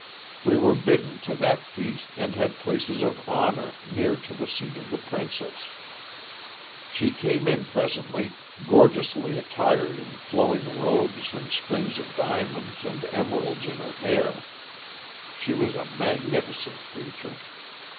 We were bidden to that feast and had places of honor near to the seat of the princess. "She came in presently, gorgeously attired in flowing robes and strings of diamonds and emeralds in her hair. She was a magnificent creature.